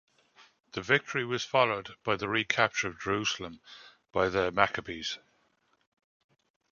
This victory was followed by the recapture of Jerusalem by the Maccabees.